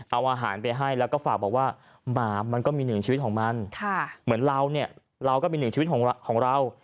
เอาอาหารไปให้แล้วก็ฝากบอกว่าหมามันก็มีหนึ่งชีวิตของมันเหมือนเราเนี่ยเราก็มีหนึ่งชีวิตของเรา